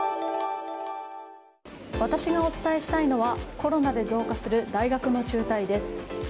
私がお伝えしたいのはコロナで増加する大学の中退です。